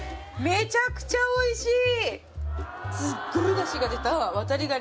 めちゃくちゃおいしい！